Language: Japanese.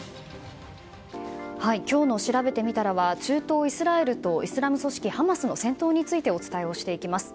今日のしらべてみたらは中東イスラエルとイスラム組織ハマスの戦闘についてお伝えしていきます。